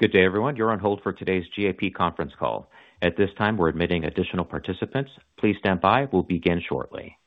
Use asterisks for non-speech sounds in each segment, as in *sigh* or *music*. Good day, everyone. You're on hold for today's GAP conference call. At this time, we're admitting additional participants. Please stand by, we'll begin shortly.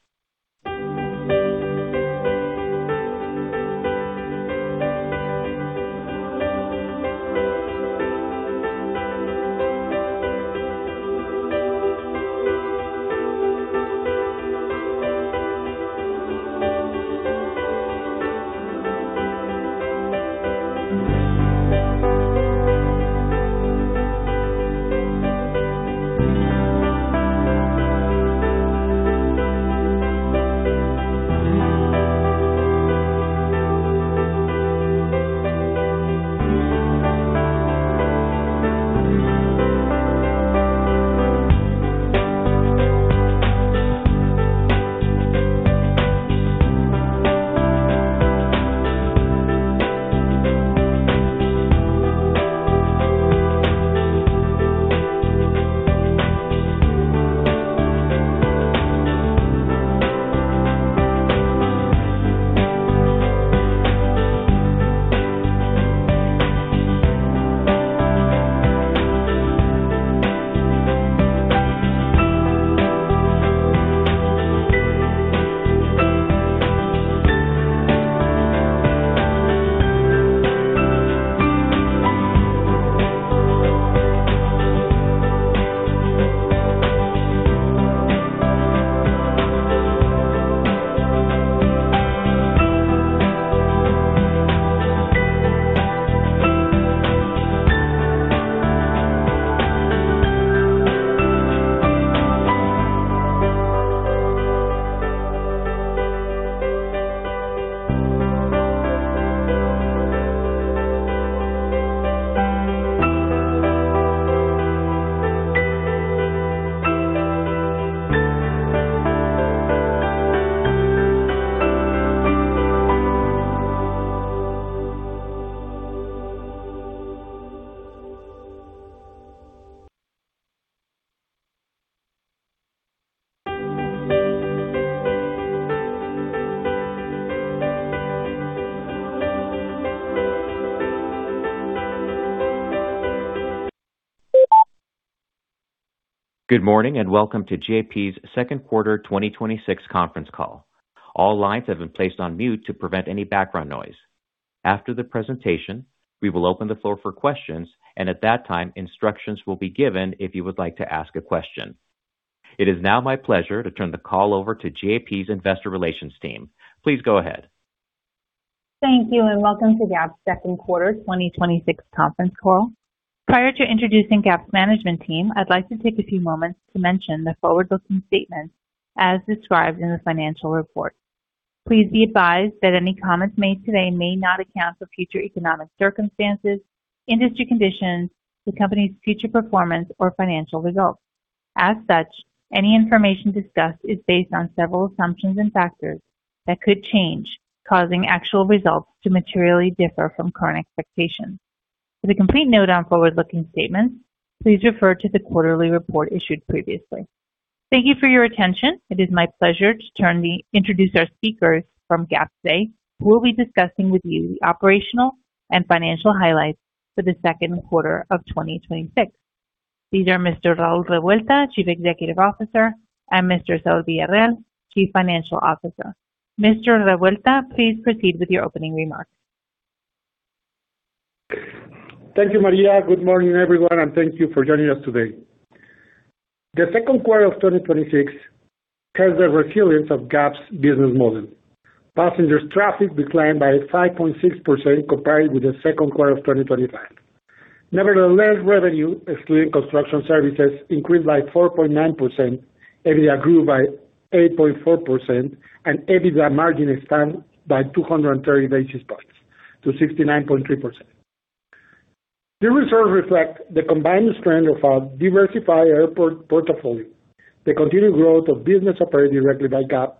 Good morning and Welcome to GAP's second quarter 2026 conference call. All lines have been placed on mute to prevent any background noise. After the presentation, we will open the floor for questions, and at that time, instructions will be given if you would like to ask a question. It is now my pleasure to turn the call over to GAP's investor relations team. Please go ahead. Thank you. Welcome to GAP's second quarter 2026 conference call. Prior to introducing GAP's management team, I'd like to take a few moments to mention the forward-looking statements as described in the financial report. Please be advised that any comments made today may not account for future economic circumstances, industry conditions, the company's future performance, or financial results. Any information discussed is based on several assumptions and factors that could change, causing actual results to materially differ from current expectations. For the complete note on forward-looking statements, please refer to the quarterly report issued previously. Thank you for your attention. It is my pleasure to introduce our speakers from GAP today, who will be discussing with you the operational and financial highlights for the second quarter of 2026. These are Mr. Raúl Revuelta, Chief Executive Officer, and Mr. Saúl Villarreal, Chief Financial Officer. Mr. Revuelta, please proceed with your opening remarks. Thank you, Maria. Good morning, everyone. Thank you for joining us today. The second quarter of 2026 shows the resilience of GAP's business model. Passengers traffic declined by 5.6% compared with the second quarter of 2025. Revenue, excluding construction services, increased by 4.9%, EBITDA grew by 8.4%, and EBITDA margin expanded by 230 basis points to 69.3%. The results reflect the combined strength of our diversified airport portfolio, the continued growth of business operated directly by GAP,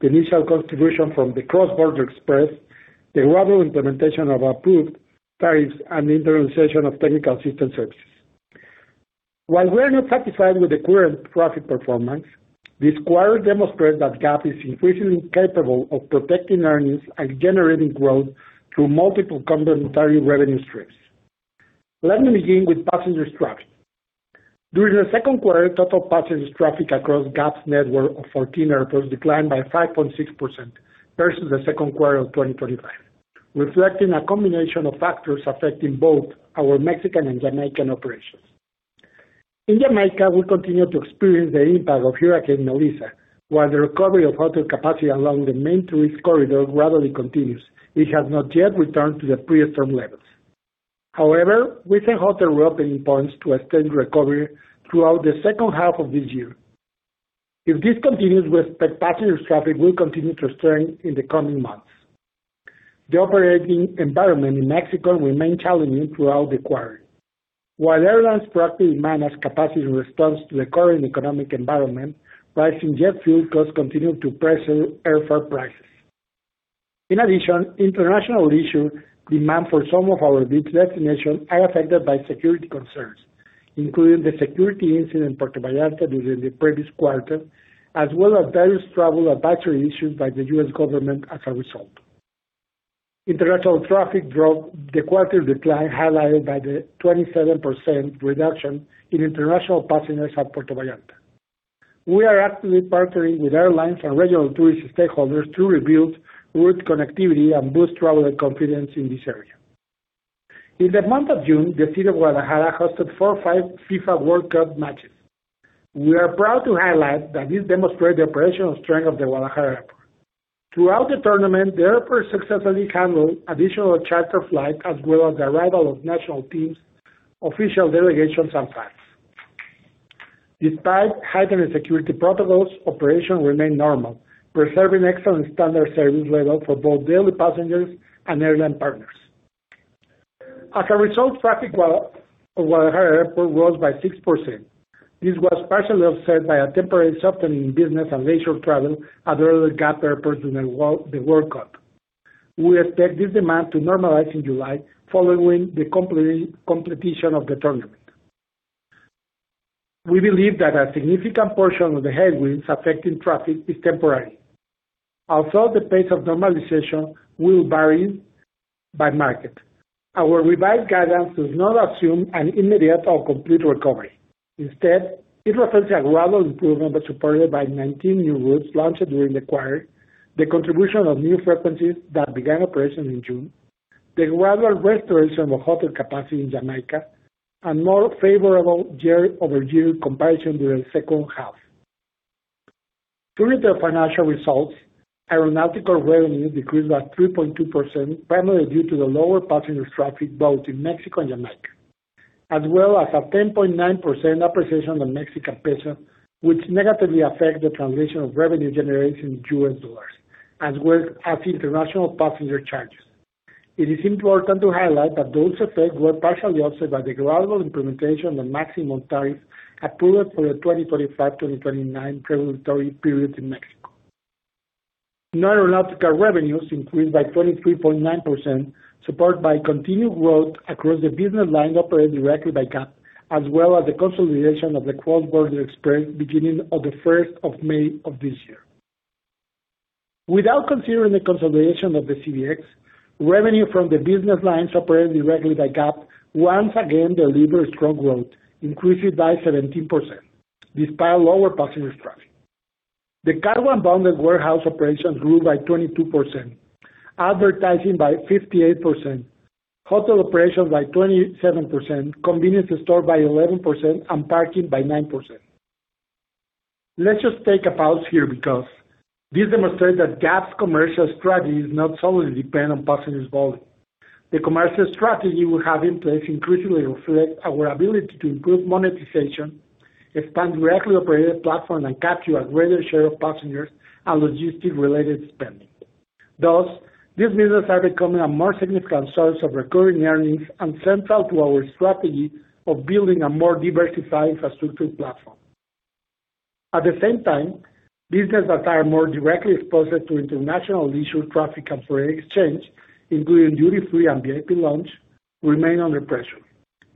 the initial contribution from the Cross Border Xpress, the global implementation of approved tariffs, and the internationalization of technical assistance services. While we are not satisfied with the current traffic performance, this quarter demonstrates that GAP is increasingly capable of protecting earnings and generating growth through multiple complementary revenue streams. Let me begin with passenger traffic. During the second quarter, total passengers traffic across GAP's network of 14 airports declined by 5.6% versus the second quarter of 2025, reflecting a combination of factors affecting both our Mexican and Jamaican operations. In Jamaica, we continue to experience the impact of Hurricane Melissa. While the recovery of hotel capacity along the main tourist corridor gradually continues, it has not yet returned to the pre-storm levels. However, we think hotel reopening points to extended recovery throughout the second half of this year. If this continues, we expect passenger traffic will continue to turn in the coming months. The operating environment in Mexico remained challenging throughout the quarter. While airlines proactively managed capacity in response to the current economic environment, rising jet fuel costs continued to pressure airfare prices. In addition, international leisure demand for some of our beach destinations are affected by security concerns. Including the security incident in Puerto Vallarta during the previous quarter, as well as various travel advisory issues by the U.S. government as a result. International traffic dropped, the quarter decline highlighted by the 27% reduction in international passengers at Puerto Vallarta. We are actively partnering with airlines and regional tourist stakeholders to rebuild route connectivity and boost travel and confidence in this area. In the month of June, the city of Guadalajara hosted four of five FIFA World Cup matches. We are proud to highlight that this demonstrates the operational strength of the Guadalajara Airport. Throughout the tournament, the airport successfully handled additional charter flights, as well as the arrival of national teams, official delegations, and fans. Despite heightened security protocols, operation remained normal, preserving excellent standard service level for both daily passengers and airline partners. As a result, traffic at Guadalajara Airport rose by 6%. This was partially offset by a temporary softening in business and leisure travel at other GAP airports during the World Cup. We expect this demand to normalize in July following the completion of the tournament. We believe that a significant portion of the headwinds affecting traffic is temporary. Also, the pace of normalization will vary by market. Our revised guidance does not assume an immediate or complete recovery. Instead, it reflects a gradual improvement supported by 19 new routes launched during the quarter, the contribution of new frequencies that began operation in June, the gradual restoration of hotel capacity in Jamaica, and more favorable year-over-year comparison during the second half. Turning to financial results, aeronautical revenues decreased by 3.2%, primarily due to the lower passenger traffic both in Mexico and Jamaica, as well as a 10.9% appreciation of the Mexican peso, which negatively affect the translation of revenue generated in U.S. dollars, as well as international passenger charges. It is important to highlight that those effects were partially offset by the gradual implementation of maximum tariffs approved for the 2025-2029 regulatory periods in Mexico. Non-aeronautical revenues increased by 23.9%, supported by continued growth across the business lines operated directly by GAP, as well as the consolidation of the Cross Border Xpress beginning on the first of May of this year. Without considering the consolidation of the CBX, revenue from the business lines operated directly by GAP once again delivered strong growth, increasing by 17%, despite lower passenger traffic. The cargo and bonded warehouse operations grew by 22%, advertising by 58%, hotel operations by 27%, convenience store by 11%, and parking by 9%. Let's just take a pause here because this demonstrates that GAP's commercial strategy does not solely depend on passengers volume. The commercial strategy we have in place increasingly reflects our ability to improve monetization, expand directly operated platforms, and capture a greater share of passengers and logistic-related spending. Thus, these measures are becoming a more significant source of recurring earnings and central to our strategy of building a more diversified infrastructure platform. At the same time, businesses that are more directly exposed to international leisure traffic and foreign exchange, including duty-free and VIP lounge, remain under pressure.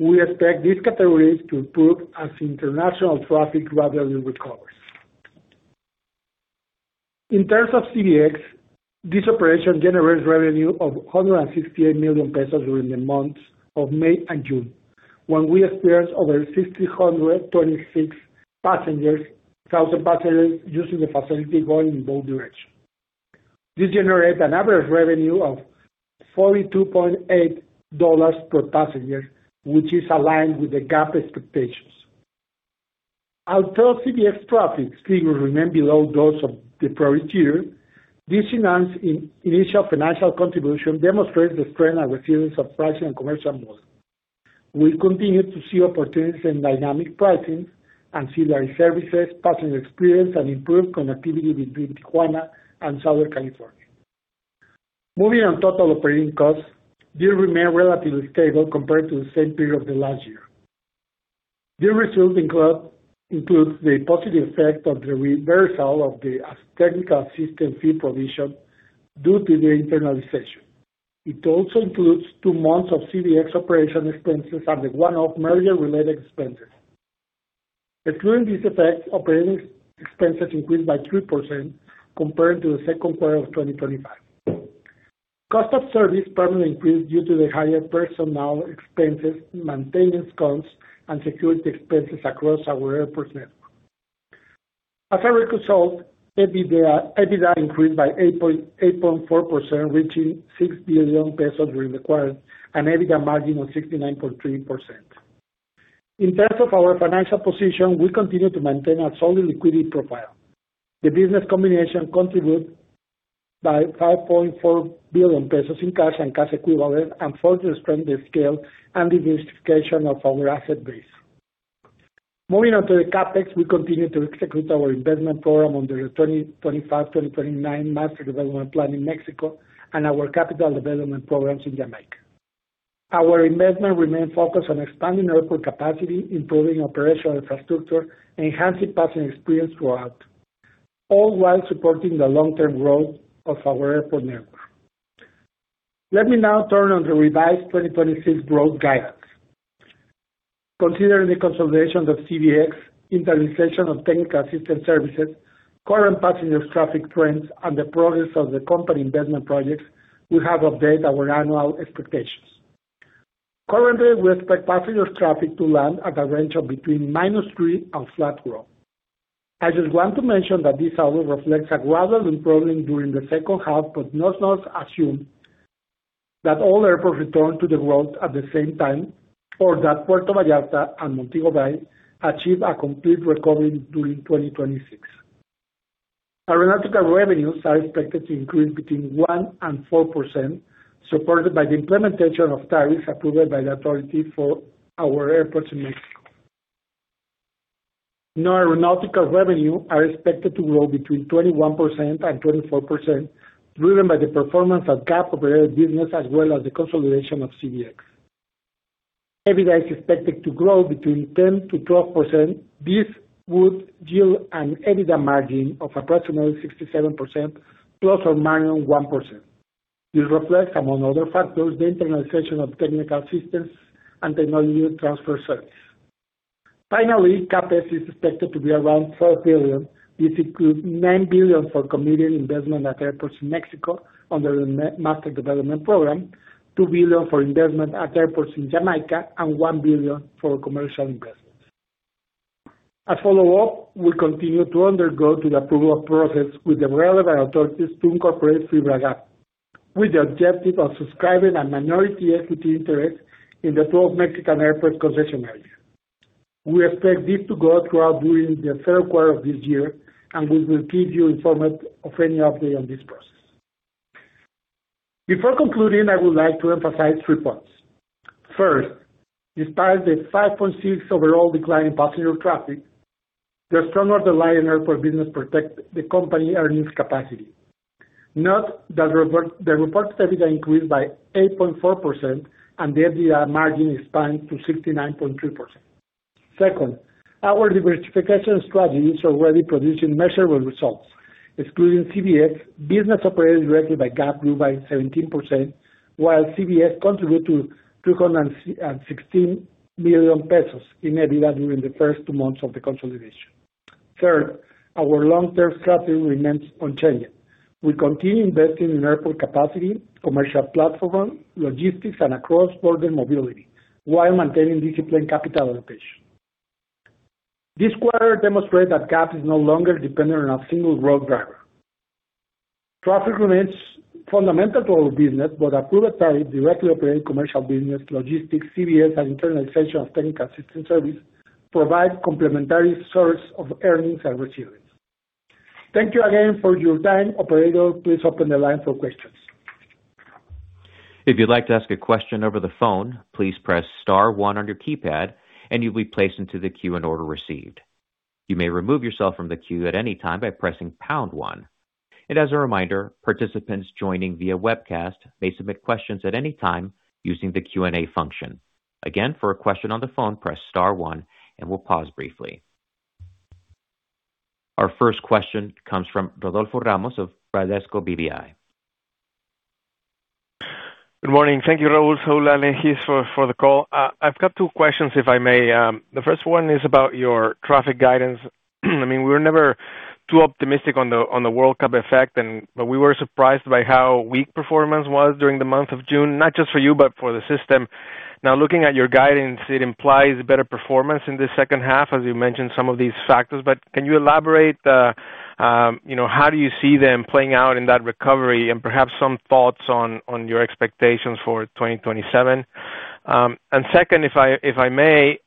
We expect these categories to improve as international traffic gradually recovers. In terms of CBX, this operation generated revenue of 168 million pesos during the months of May and June, when we experienced over 626,000 passengers using the facility going in both directions. This generates an average revenue of $42.8 per passenger, which is aligned with the GAP expectations. Although CBX traffic figures remain below those of the prior year, this initial financial contribution demonstrates the strength and resilience of pricing and commercial model. We continue to see opportunities in dynamic pricing, ancillary services, passenger experience, and improved connectivity between Tijuana and Southern California. Moving on, total operating costs did remain relatively stable compared to the same period of the last year. This result includes the positive effect of the reversal of the technical assistance fee provision due to the internalization. It also includes two months of CBX operation expenses and the one-off merger-related expenses. Excluding these effects, operating expenses increased by 3% compared to the second quarter of 2025. Cost of service primarily increased due to the higher personnel expenses, maintenance costs, and security expenses across our airports network. As a result, EBITDA increased by 8.4%, reaching 6 billion pesos during the quarter, an EBITDA margin of 69.3%. In terms of our financial position, we continue to maintain a solid liquidity profile. The business combination contributed by 5.4 billion pesos in cash and cash equivalents and further strengthened the scale and diversification of our asset base. Moving on to the CapEx, we continue to execute our investment program under the 2025-2029 Master Development Plan in Mexico and our capital development programs in Jamaica. Our investment remains focused on expanding airport capacity, improving operational infrastructure, enhancing passenger experience throughout, all while supporting the long-term growth of our airport network. Let me now turn on the revised 2026 growth guidance. Considering the consolidation of CBX, internalization of technical assistance services, current passengers traffic trends, and the progress of the company investment projects, we have updated our annual expectations. Currently, we expect passengers traffic to land at a range of between -3% and flat growth. I just want to mention that this outlook reflects a gradual improvement during the second half, but does not assume that all airports return to the growth at the same time, or that Puerto Vallarta and Montego Bay achieve a complete recovery during 2026. Our aeronautical revenues are expected to increase between 1% and 4%, supported by the implementation of tariffs approved by the authority for our airports in Mexico. Non-aeronautical revenue are expected to grow between 21% and 24%, driven by the performance of GAP-operated business as well as the consolidation of CBX. EBITDA is expected to grow between 10%-12%. This would yield an EBITDA margin of approximately 67%, ±1%. This reflects, among other factors, the internalization of technical assistance and technology transfer service. Finally, CapEx is expected to be around 4 billion, this includes 9 billion for committed investment at airports in Mexico under the Master Development Plan, 2 billion for investment at airports in Jamaica, and 1 billion for commercial investments. As follow-up, we continue to undergo the approval process with the relevant authorities to incorporate FIBRA GAP, with the objective of subscribing a minority equity interest in the 12 Mexican airport concession areas. We expect this to go out throughout during the third quarter of this year, and we will keep you informed of any update on this process. Before concluding, I would like to emphasize three points. First, despite the 5.6 overall decline in passenger traffic, the stronger underlying airport business protect the company earnings capacity. Note that the reported EBITDA increased by 8.4%, and the EBITDA margin expanded to 69.3%. Second, our diversification strategies are already producing measurable results. Excluding CBX, business operated directly by GAP grew by 17%, while CBX contributed 216 million pesos in EBITDA during the first two months of the consolidation. Third, our long-term strategy remains unchanged. We continue investing in airport capacity, commercial platform, logistics, and across border mobility while maintaining disciplined capital allocation. This quarter demonstrate that GAP is no longer dependent on a single growth driver. Traffic remains fundamental to our business, but approved tariffs, directly operating commercial business, logistics, CBX, and internalization of technical assistance service provide complementary source of earnings and revenues. Thank you again for your time. Operator, please open the line for questions. If you'd like to ask a question over the phone, please press star one on your keypad, and you'll be placed into the queue in order received. You may remove yourself from the queue at any time by pressing pound one. As a reminder, participants joining via webcast may submit questions at any time using the Q&A function. For a question on the phone, press star one, and we'll pause briefly. Our first question comes from Rodolfo Ramos of Bradesco BBI. Good morning. Thank you, Raul, Saul, and Jesús for the call. I've got two questions, if I may. The first one is about your traffic guidance. We were never too optimistic on the World Cup effect, but we were surprised by how weak performance was during the month of June, not just for you, but for the system. Looking at your guidance, it implies better performance in this second half, as you mentioned some of these factors. Can you elaborate, how do you see them playing out in that recovery, and perhaps some thoughts on your expectations for 2027? Second, if I may,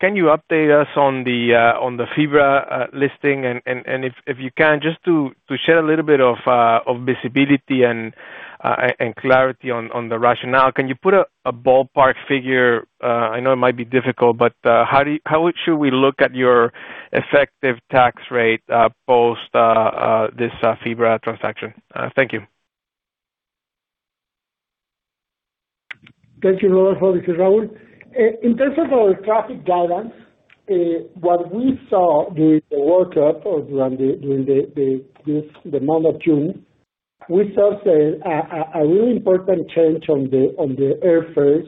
can you update us on the FIBRA listing, and if you can, just to shed a little bit of visibility and clarity on the rationale. Can you put a ballpark figure? I know it might be difficult, but how should we look at your effective tax rate post this FIBRA transaction? Thank you. Thank you, Rodolfo. This is Raul. In terms of our traffic guidance, what we saw during the World Cup or during the month of June, we saw a really important change on the airfares,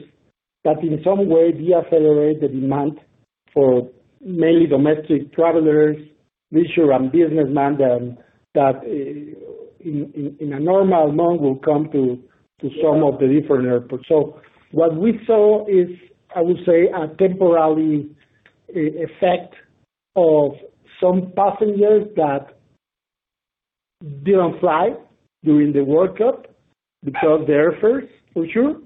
that in some way decelerated the demand for many domestic travelers, leisure and businessmen, that in a normal month will come to some of the different airports. So what we saw is, I would say, a temporary effect of some passengers that didn't fly during the World Cup because of the airfares, for sure.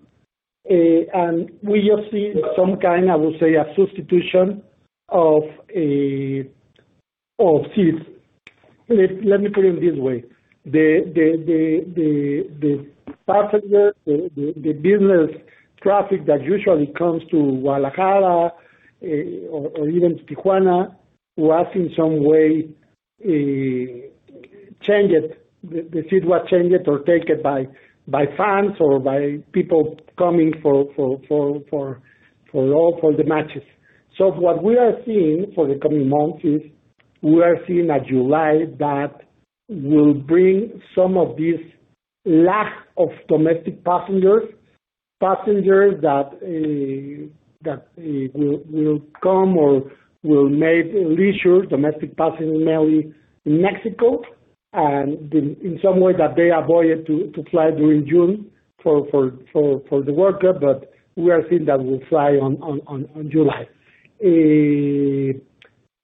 And we are seeing some kind, I would say, a substitution of seats. Let me put it this way. The passengers, the business traffic that usually comes to Guadalajara or even Tijuana was in some way changed. The seat was changed or taken by fans or by people coming for the matches. What we are seeing for the coming months is. We are seeing a July that will bring some of this lack of domestic passengers that will come or will make leisure domestic passengers, mainly in Mexico. And in some way that they avoided to fly during June for the World Cup, but we are seeing that will fly on July.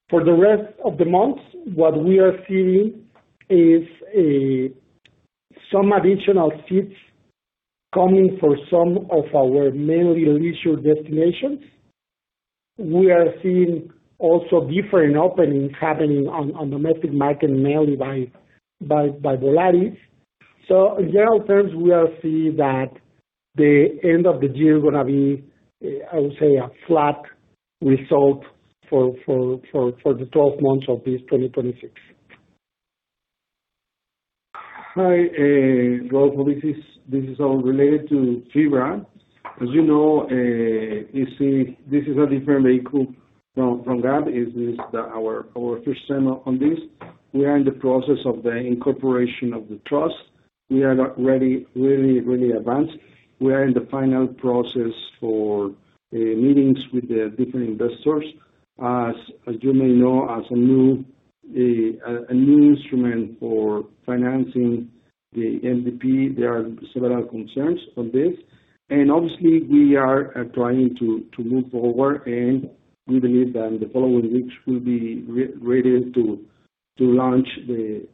For the rest of the months, what we are seeing is some additional seats coming for some of our mainly leisure destinations. We are seeing also different openings happening on domestic market, mainly by Volaris. So in general terms, we are seeing that the end of the year is going to be, I would say, a flat result for the 12 months of this 2026. Hi, well, this is all related to FIBRA. As you know, this is a different vehicle from that. This is our first time on this. We are in the process of the incorporation of the trust. We are not really advanced. We are in the final process for meetings with the different investors. As you may know, as a new instrument for financing the MDP, there are several concerns on this. And obviously, we are trying to move forward, and we believe that in the following weeks, we'll be ready to launch the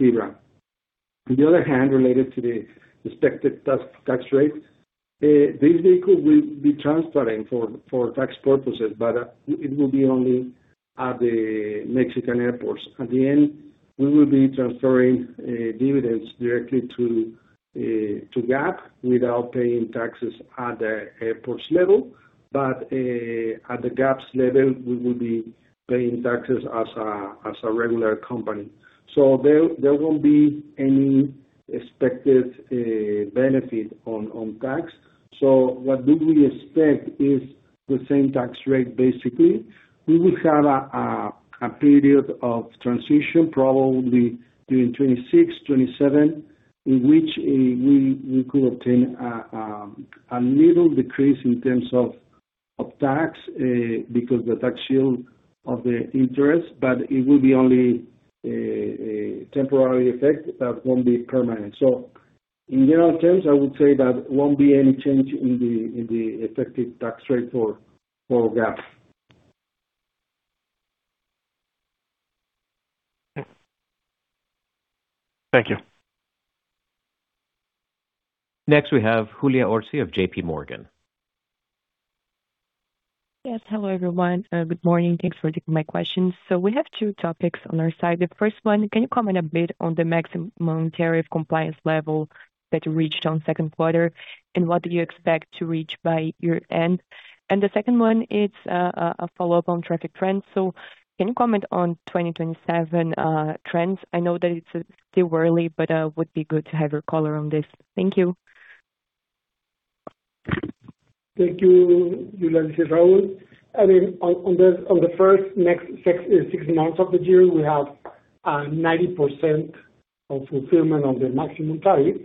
FIBRA. On the other hand, related to the expected tax rate, this vehicle will be transparent for tax purposes, but it will be only at the Mexican airports. At the end, we will be transferring dividends directly to GAP without paying taxes at the airports level. But at the GAP's level, we will be paying taxes as a regular company. There won't be any expected benefit on tax. What we will expect is the same tax rate, basically. We will have a period of transition, probably during 2026, 2027, in which we could obtain a little decrease in terms of tax, because the tax shield of the interest, it will be only a temporary effect that won't be permanent. In general terms, I would say that won't be any change in the effective tax rate for GAP. Thank you. Next we have Julia Orsi of J.P. Morgan. Yes. Hello, everyone. Good morning. Thanks for taking my questions. We have two topics on our side. The first one, can you comment a bit on the maximum monetary compliance level that you reached on second quarter, and what do you expect to reach by year-end? The second one is a follow-up on traffic trends. Can you comment on 2027 trends? I know that it's still early, but would be good to have your color on this. Thank you. Thank you. This is Raul. I mean, on the first six months of the year, we have 90% of fulfillment of the maximum tariff.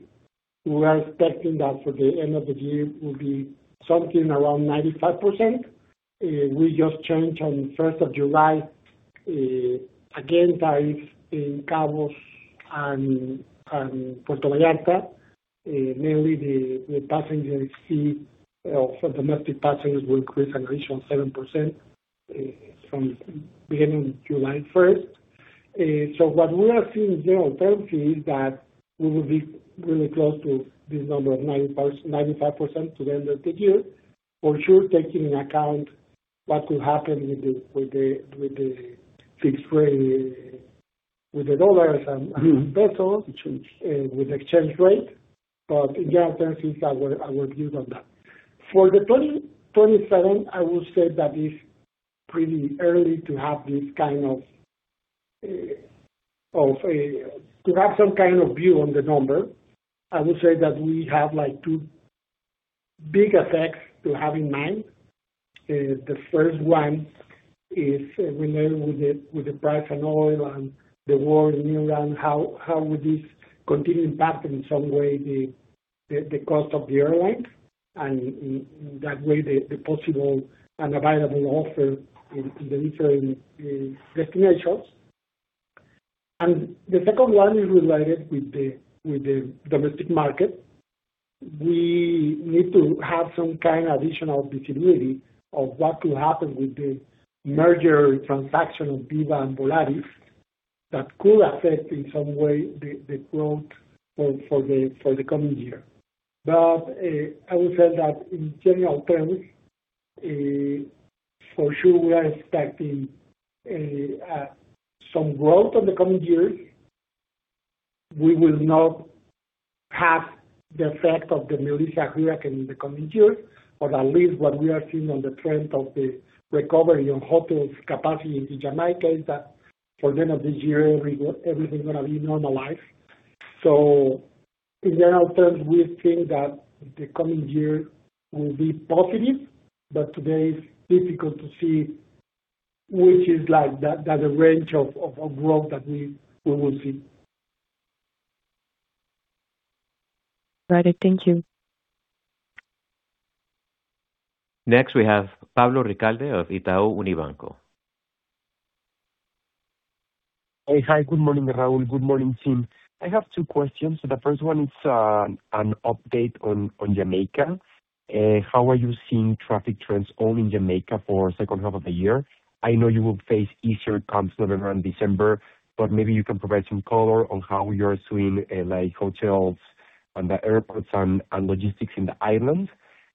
We are expecting that for the end of the year will be something around 95%. We just changed on the 1st of July, again, tariff in Cabos and Puerto Vallarta. Mainly the passenger seat of domestic passengers will increase an additional 7% from beginning July 1st. What we are seeing in general terms is that we will be really close to this number of 95% to the end of the year. For sure, taking account what could happen with the fixed rate, with the dollars and pesos, with exchange rate. In general terms, it's our view on that. For 2027, I would say that it's pretty early to have some kind of view on the number. I would say that we have two big effects to have in mind. The first one is related with the price on oil and the war in Iran, how would this continue impacting in some way the cost of the airlines, and in that way, the possible and available offer in the leisure destinations. The second one is related with the domestic market. We need to have some kind of additional visibility of what will happen with the merger transaction of Viva and Volaris. That could affect, in some way, the growth for the coming year. I would say that in general terms, for sure, we are expecting some growth on the coming years. We will not have the effect of Hurricane Melissa in the coming years, or at least what we are seeing on the trend of the recovery on hotels capacity in Jamaica is that for end of this year, everything going to be normalized. In general terms, we think that the coming year will be positive, but today it's difficult to see which is the range of growth that we will see. Got it. Thank you. Next, we have Pablo Ricalde of Itaú Unibanco. Hi. Good morning, Raul. Good morning, team. I have two questions. The first one is an update on Jamaica. How are you seeing traffic trends all in Jamaica for second half of the year? I know you will face easier comps November and December, but maybe you can provide some color on how you're seeing hotels and the airports and logistics in the island.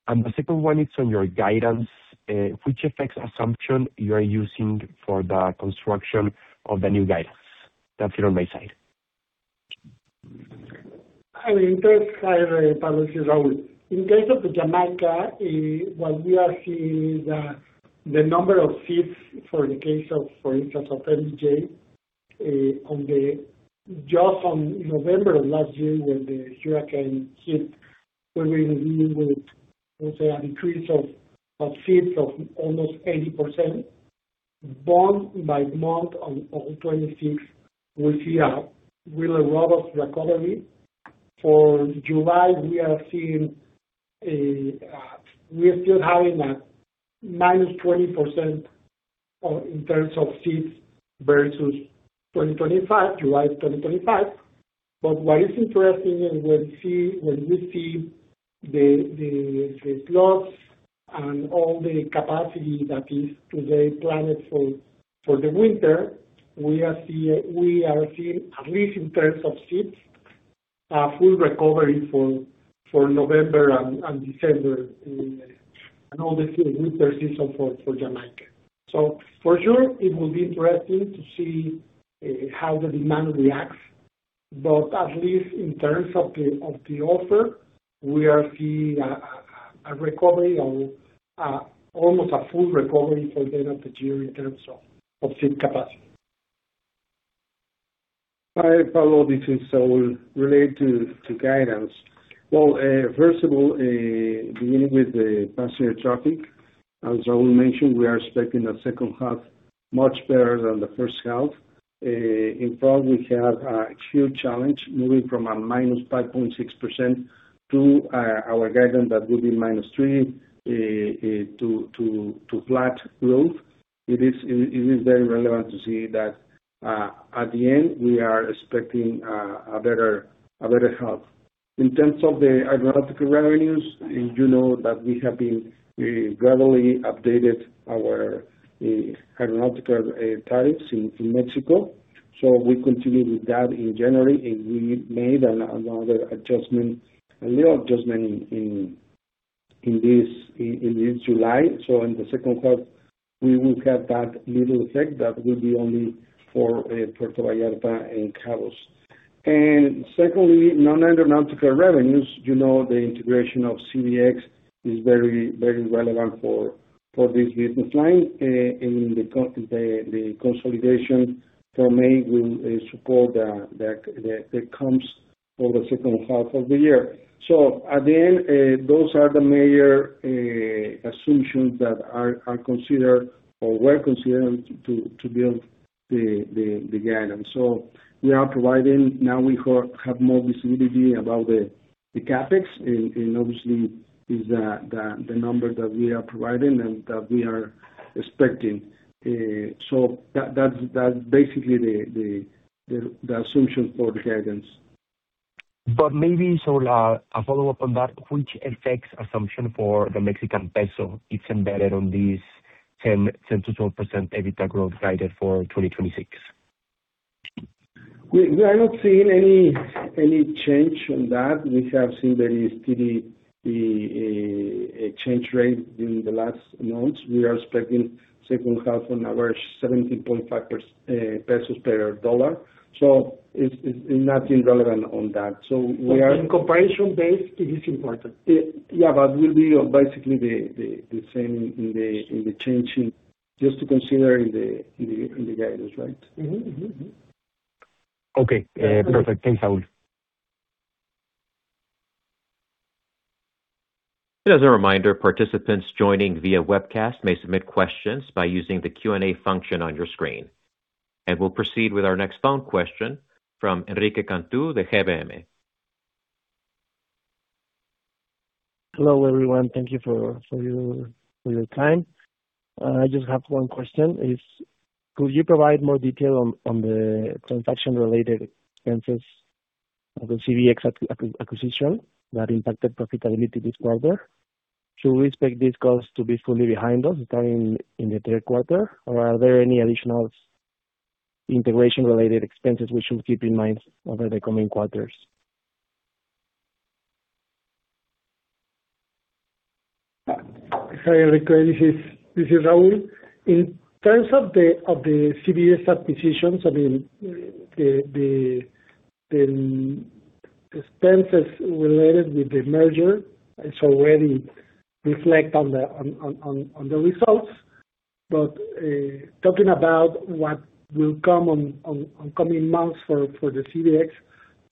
The second one is on your guidance. Which FX assumption you are using for the construction of the new guidance? That's it on my side. Hi, Pablo. This is Raul. In case of Jamaica, what we are seeing is that the number of seats for the case of, for instance, of MJ, just on November of last year, when the hurricane hit, we were dealing with, let's say, a decrease of seats of almost 80%. By month of the 26th, we see a really robust recovery. For July, we are still having a -20% in terms of seats versus July 2025. What is interesting is when we see the slots and all the capacity that is today planned for the winter, we are seeing, at least in terms of seats, a full recovery for November and December, and all the winter season for Jamaica. For sure, it will be interesting to see how the demand reacts. At least in terms of the offer, we are seeing almost a full recovery for the end of the year in terms of seat capacity. Hi, Pablo. This is Saul. Related to guidance. Well, first of all, beginning with the passenger traffic, as Raul Revuelta mentioned, we are expecting the second half much better than the first half. In fact, we have a huge challenge moving from a -5.6% to our guidance that will be -3% to flat growth. It is very relevant to see that at the end, we are expecting a better half. In terms of the aeronautical revenues, you know that we have been gradually updated our aeronautical tariffs in Mexico. We continue with that in January, and we made another adjustment, a little adjustment, in mid-July. In the second half, we will have that little effect that will be only for Puerto Vallarta and Cabos. Secondly, non-aeronautical revenues. You know the integration of CBX is very relevant for this business line. The consolidation for me will support the comps for the second half of the year. At the end, those are the major assumptions that are considered, or were considered, to build the guidance. We are providing, now we have more visibility about the CAPEX, and obviously, the number that we are providing, and that we are expecting. That's basically the assumption for the guidance. Maybe, Saul, a follow-up on that. Which FX assumption for the Mexican peso is embedded on this 10%-12% EBITDA growth guided for 2026? We are not seeing any change on that. We have seen there is still a change rate during the last months. We are expecting second half on average 17.5 pesos per USD. It's nothing relevant on that. In comparison base, it is important. Yeah, we'll be basically the same in the changing, just to consider in the guidance, right? Okay. Perfect. Thanks, Saul. Just a reminder, participants joining via webcast may submit questions by using the Q&A function on your screen. We'll proceed with our next phone question from Enrique Cantú de GBM. Hello, everyone. Thank you for your time. I just have one question. Could you provide more detail on the transaction-related expenses of the CBX acquisition that impacted profitability this quarter? Should we expect these costs to be fully behind us starting in the third quarter, or are there any additional integration-related expenses we should keep in mind over the coming quarters? Hi, Enrique. This is Raul. In terms of the CBX acquisitions, the expenses related with the merger, it's already reflect on the results. Talking about what will come on coming months for the CBX,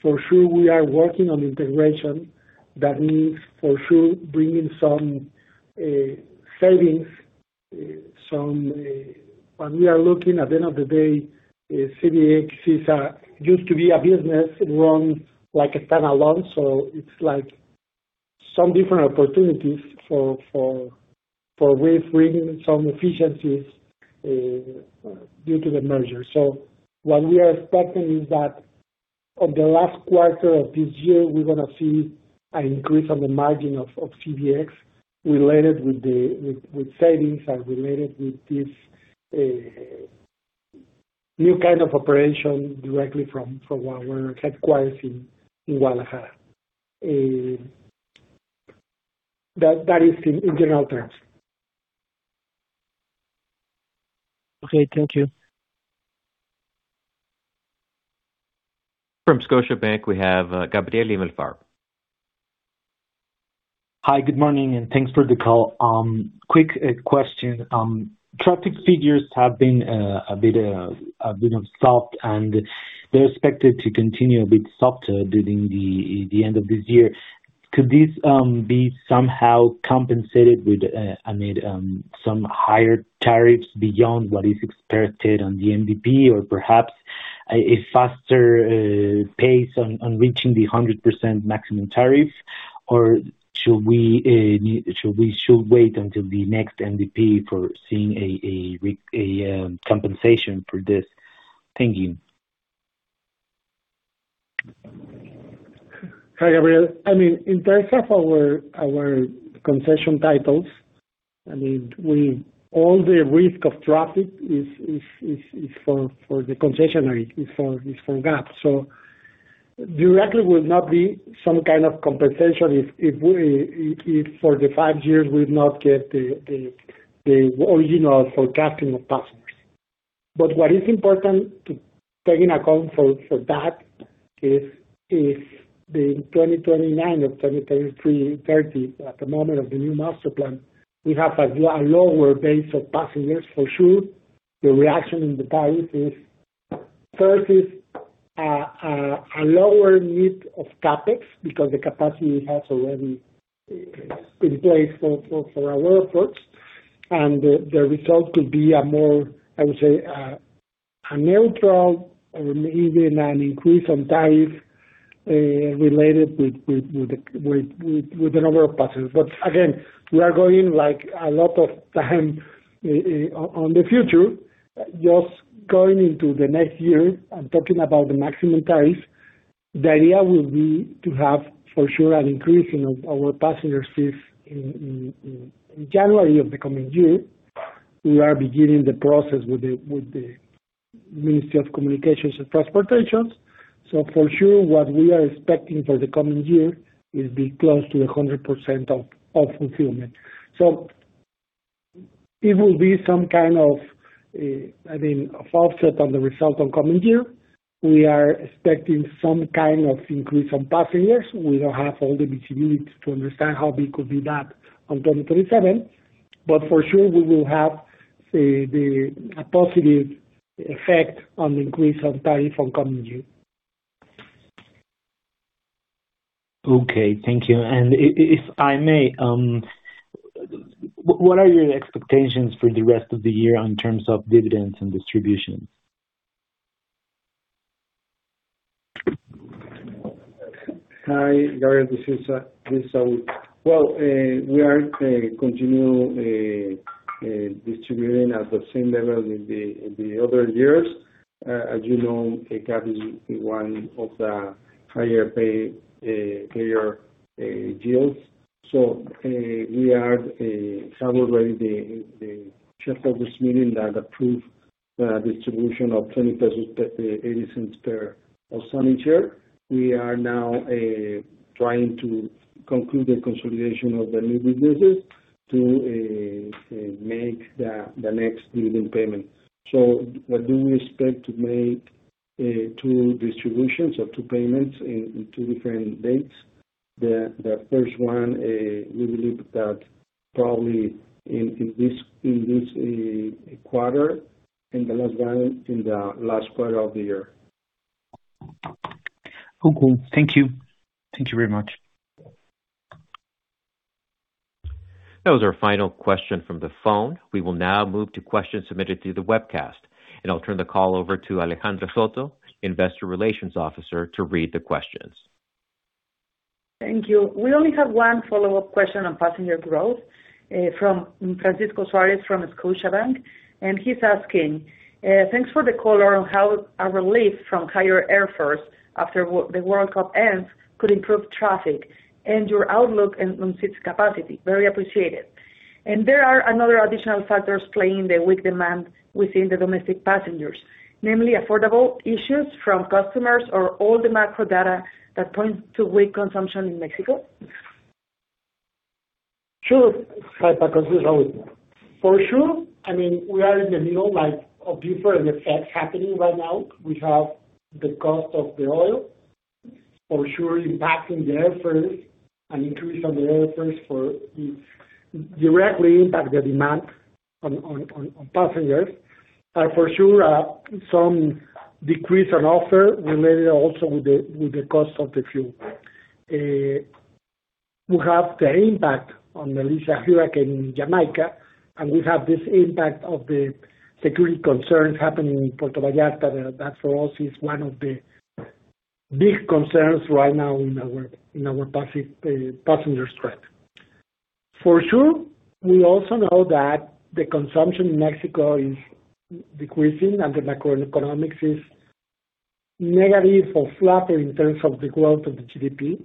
for sure, we are working on integration. That means, for sure, bringing some savings. When we are looking, at the end of the day, CBX used to be a business. It runs like a standalone. It's some different opportunities for us bringing some efficiencies due to the merger. What we are expecting is that on the last quarter of this year, we're going to see an increase on the margin of CBX related with savings, and related with this new kind of operation directly from our headquarters in Guadalajara. That is in general terms. Okay. Thank you. From Scotiabank, we have Gabriel Alfaro. Hi, good morning, thanks for the call. Quick question. Traffic figures have been a bit soft, they're expected to continue a bit softer during the end of this year. Could this be somehow compensated with some higher tariffs beyond what is expected on the MDP? Or perhaps a faster pace on reaching the 100% maximum tariff? Or should we wait until the next MDP for seeing a compensation for this? Thank you. Hi, Gabriel. In terms of our concession titles, all the risk of traffic is for the concessionaire, is for GAP. Directly will not be some kind of compensation if for the five years we've not get the original forecasting of passengers. What is important to take into account for that is the 2029 or 2030, at the moment of the new Master Plan, we have a lower base of passengers, for sure. The reaction in the tariff is first is a lower need of CAPEX because the capacity we have already in place for our airports. The result could be a more, I would say, a neutral or even an increase on tariff related with the number of passengers. Again, we are going a lot of time on the future. Just going into the next year and talking about the maximum tariff, the idea will be to have, for sure, an increase in our passenger fees in January of the coming year. We are beginning the process with the *inaudible* Communications and Transportation. For sure, what we are expecting for the coming year is be close to 100% of fulfillment. It will be some kind of offset on the result on coming year. We are expecting some kind of increase on passengers. We don't have all the detail to understand how big could be that on 2027. For sure, we will have a positive effect on the increase on tariff on coming year. Okay, thank you. If I may, what are your expectations for the rest of the year in terms of dividends and distributions? Hi, Gabriel. This is Saul. Well, we are continuing distributing at the same level with the other years. As you know, GAP is one of the higher payer deals. We had already the shareholders meeting that approved the distribution of 0.2080 pesos per ordinary share. We are now trying to conclude the consolidation of the new releases to make the next dividend payment. We do expect to make two distributions or two payments in two different dates. The first one, we believe that probably in this quarter, and the last one in the last quarter of the year. Cool. Thank you. Thank you very much. That was our final question from the phone. We will now move to questions submitted through the webcast. I'll turn the call over to Alejandra Soto, Investor Relations Officer, to read the questions. Thank you. We only have one follow-up question on passenger growth, from Francisco Suarez from Scotiabank, and he's asking. Thanks for the color on how a relief from higher airfares after the World Cup ends could improve traffic and your outlook on seats capacity. Very appreciated. There are another additional factors playing the weak demand within the domestic passengers, namely affordability issues from customers or all the macro data that points to weak consumption in Mexico. Sure. Hi, Paco. This is Raúl. We are in the middle of different effects happening right now. We have the cost of the oil impacting the efforts and increasing the efforts for directly impact the demand on passengers. Some decrease on offer related also with the cost of the fuel. We have the impact on the Hurricane Melissa in Jamaica, and we have this impact of the security concerns happening in Puerto Vallarta. That, for us, is one of the big concerns right now in our passenger threat. We also know that the consumption in Mexico is decreasing and the macroeconomics is negative or flatter in terms of the growth of the GDP.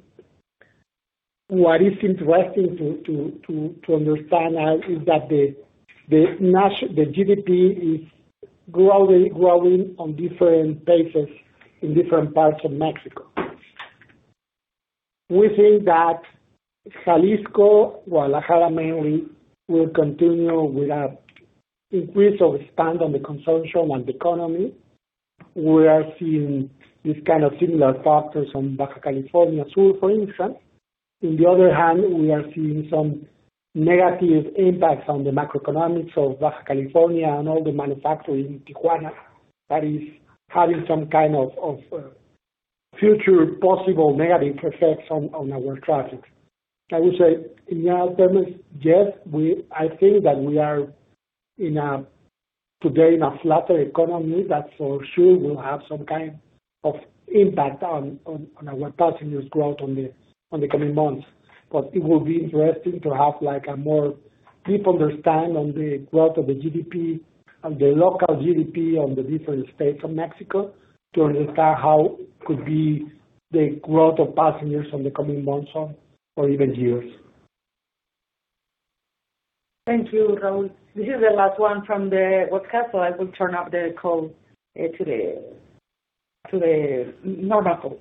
What is interesting to understand is that the GDP is growing on different paces in different parts of Mexico. We think that Jalisco, Guadalajara mainly, will continue with a increase of spend on the consumption and the economy. We are seeing this kind of similar factors on Baja California Sur, for instance. On the other hand, we are seeing some negative impacts on the macroeconomics of Baja California and all the manufacturing in Tijuana that is having some kind of future possible negative effects on our traffic. I would say, in general terms, yes, I think that we are today in a flatter economy that for sure will have some kind of impact on our passengers growth on the coming months. It will be interesting to have a more deep understanding on the growth of the GDP and the local GDP on the different states of Mexico to understand how could be the growth of passengers on the coming months or even years. Thank you, Raul. This is the last one from the webcast, I will turn off the call to the normal call.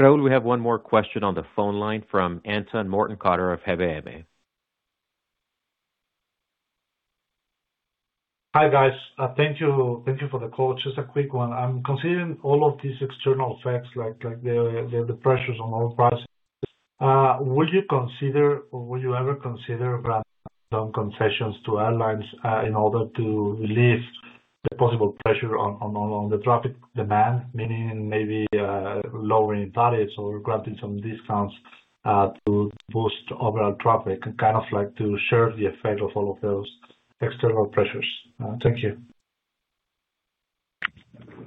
Raul, we have one more question on the phone line from Anton Mortenkotter of GBM. Hi, guys. Thank you for the call. Just a quick one. Considering all of these external effects, like the pressures on oil prices, would you ever consider granting some concessions to airlines in order to relieve the possible pressure on the traffic demand, meaning maybe lowering tariffs or granting some discounts to boost overall traffic, kind of like to share the effect of all of those external pressures? Thank you.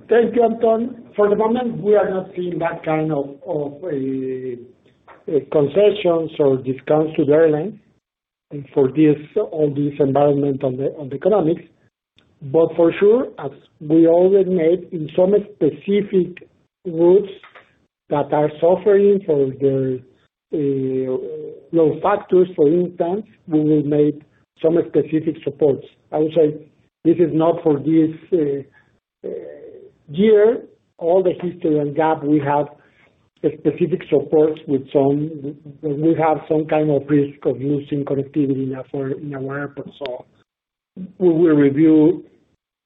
Thank you, Anton. For the moment, we are not seeing that kind of concessions or discounts to the airlines for all this environment on the economics. For sure, as we already made in some specific routes that are suffering for the low factors, for instance, we will make some specific supports. I would say this is not for this year. All the history in GAP, we have specific supports when we have some kind of risk of losing connectivity in our airport. We will review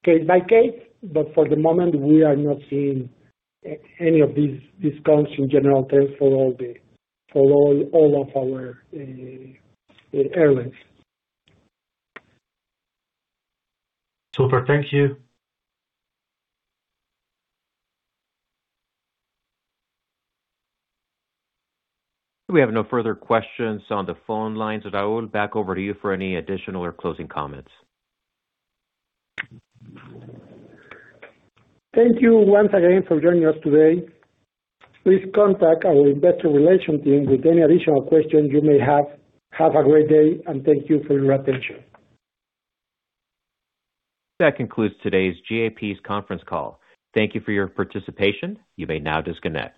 case by case, but for the moment, we are not seeing any of these discounts in general terms for all of our airlines. Super. Thank you. We have no further questions on the phone lines. Raul, back over to you for any additional or closing comments. Thank you once again for joining us today. Please contact our investor relations team with any additional questions you may have. Have a great day, and thank you for your attention. That concludes today's GAP's conference call. Thank you for your participation. You may now disconnect.